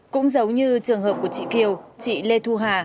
cũng giống như trường hợp của chị kiều chị lê thu hà